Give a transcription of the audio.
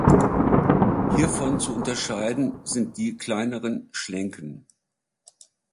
Hiervon zu unterscheiden sind die kleineren Schlenken.